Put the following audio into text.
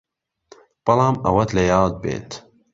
بەڵام ئەوەت لە یاد بێت